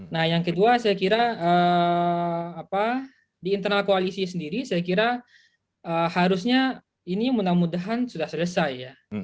nah yang kedua saya kira di internal koalisi sendiri saya kira harusnya ini mudah mudahan sudah selesai ya